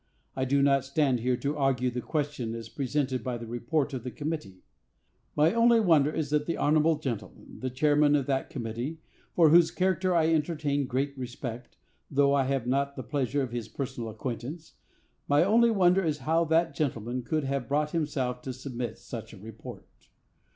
I do not stand here to argue the question as presented by the report of the committee. My only wonder is that the honorable gentleman the chairman of that committee, for whose character I entertain great respect, though I have not the pleasure of his personal acquaintance,—my only wonder is how that gentleman could have brought himself to submit such a report.